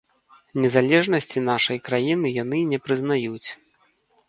Незалежнасці нашай краіны яны не прызнаюць.